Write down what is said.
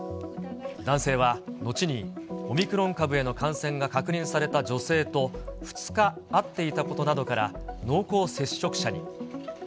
男性は後にオミクロン株への感染が確認された女性と２日会っていたことなどから、濃厚接触者に。